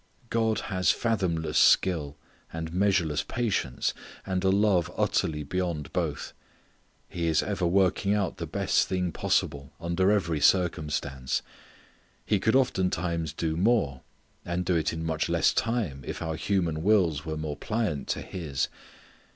God has fathomless skill, and measureless patience, and a love utterly beyond both. He is ever working out the best thing possible under every circumstance. He could oftentimes do more, and do it in much less time if our human wills were more pliant to His.